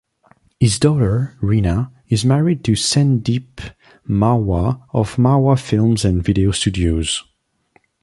His daughter, Reena, is married to Sandeep Marwah of Marwah Films and Video Studios.